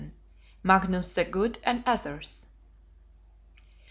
MAGNUS THE GOOD AND OTHERS.